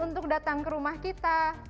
untuk datang ke rumah kita